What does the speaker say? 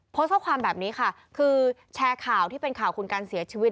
โพสต์ข้อความแบบนี้ค่ะคือแชร์ข่าวที่เป็นข่าวคุณการเสียชีวิต